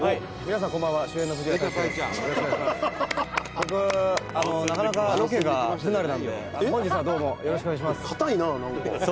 「僕なかなかロケが不慣れなんで本日はどうもよろしくお願いします」